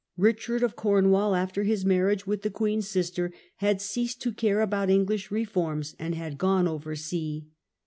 Richard of Cornwall after his marriage with the queen's sister had ceased to care about English reform, and had gone over sea.